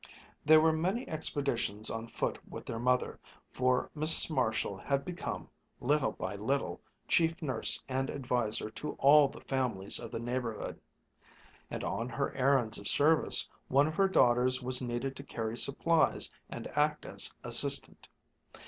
There were many expeditions on foot with their mother, for Mrs. Marshall had become, little by little, chief nurse and adviser to all the families of the neighborhood; and on her errands of service one of her daughters was needed to carry supplies and act as assistant.